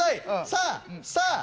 さあさあ。